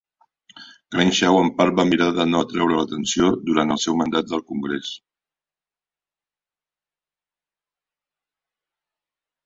Crenshaw en part va mirar de no atraure l'atenció durant el seu mandat del congrés.